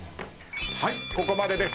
はいここまでです。